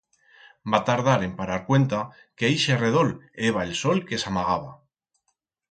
Va tardar en parar cuenta que ixe redol eba el sol que s'amagaba.